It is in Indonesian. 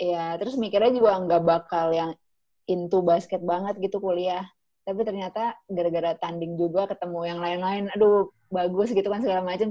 iya terus mikirnya juga ga bakal yang into basket banget gitu kuliah tapi ternyata gara gara tanding juga ketemu yang lain lain aduh bagus gitu kan segala macem